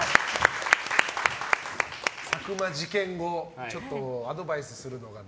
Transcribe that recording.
佐久間事件後アドバイスするのがね。